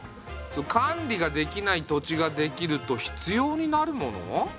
管理ができない土地ができると必要になるもの？